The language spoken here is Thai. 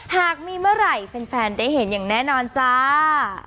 หากมีเมื่อไหร่แฟนได้เห็นอย่างแน่นอนจ้า